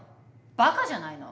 バカじゃないの！？